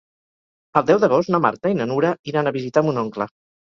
El deu d'agost na Marta i na Nura iran a visitar mon oncle.